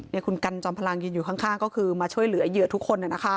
นี่คุณกันจอมพลังยืนอยู่ข้างก็คือมาช่วยเหลือเหยื่อทุกคน